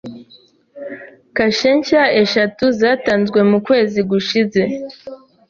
Kashe nshya eshatu zatanzwe mu kwezi gushize.